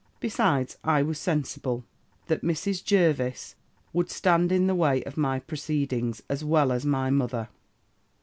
Besides, I was sensible, that Mrs. Jervis would stand in the way of my proceedings as well as my mother.